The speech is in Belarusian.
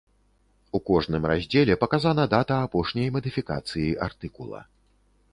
У кожным раздзеле паказана дата апошняй мадыфікацыі артыкула.